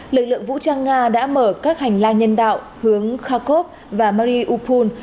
lực lượng vũ trang nga đã mở các hành lang nhân đạo hướng kharkov và mariupol